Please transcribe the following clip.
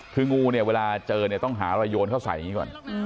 คืองูเนี่ยเวลาเจอเนี่ยต้องหาอะไรโยนเข้าใส่อย่างนี้ก่อน